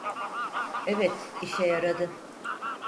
Evet, işe yaradı.